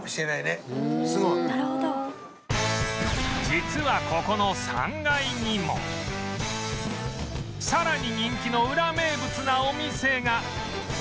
実はここの３階にもさらに人気のウラ名物なお店が